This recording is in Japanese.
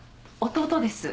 弟です。